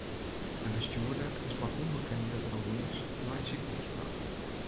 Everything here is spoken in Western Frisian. De bestjoerder is mei ûnbekende ferwûnings nei it sikehûs brocht.